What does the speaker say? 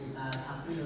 di awal bulan